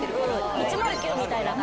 １０９みたいな感じ。